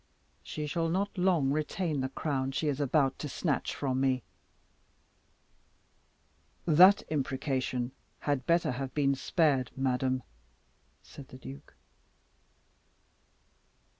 She shall not long retain the crown she is about to snatch from me!" "That imprecation had better have been spared, madam," said the duke.